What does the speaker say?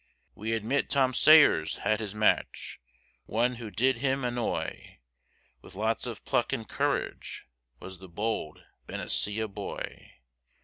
We admit Tom Sayers had his match One who did him annoy, With lots of pluck and courage, Was the bold Benicia boy.